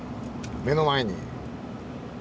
目の前に。